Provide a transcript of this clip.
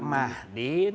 makin sakit kepala